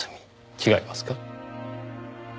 違いますか？